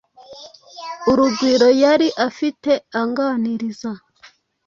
urugwiro yari afite anganiriza